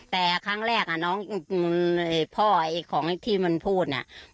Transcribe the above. แต่ครั้งแรกน้องพ่อไอ้ของที่มันพูดเนี่ย